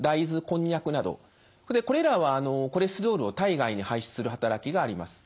それでこれらはコレステロールを体外に排出する働きがあります。